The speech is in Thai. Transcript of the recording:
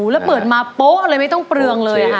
แล้วเปิดมาโป๊ะเลยไม่ต้องเปลืองเลยค่ะ